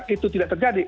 itu tidak terjadi